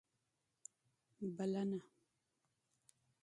دعوت